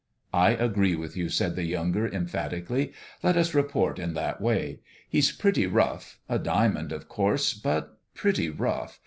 44 1 agree with you," said the younger, emphat ically. 4< Let us report in that way. He's pretty rough. A diamond, of course but pretty rough